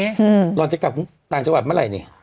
หล่อนจะกลับต่างจังหวัดเมื่อไหร่นี่